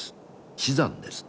死産です。